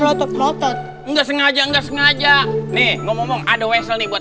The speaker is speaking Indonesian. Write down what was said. lotot lotot nggak sengaja nggak sengaja nih ngomong ngomong ada wesel dibuat